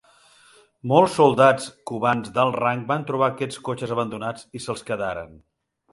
Molts soldats cubans d'alt rang van trobar aquests cotxes abandonats i se'ls quedaren.